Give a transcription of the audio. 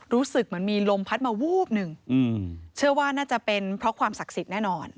รู้สึกเหมือนมีลมพัดมาวูบหนึ่งเชื่อว่าน่าจะเป็นเพราะความศักดิ์สิทธิ์แน่นอน